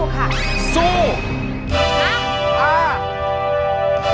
เข้าไป